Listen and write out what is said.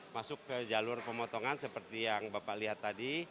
masuk ke jalur pemotongan seperti yang bapak lihat tadi